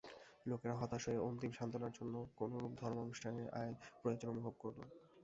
লোকেরা হতাশ হয়ে অন্তিম সান্ত্বনার জন্য কোনরূপ ধর্মানুষ্ঠানের প্রয়োজন অনুভব করল।